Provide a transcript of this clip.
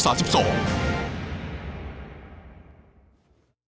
โปรดติดตามตอนต่อไป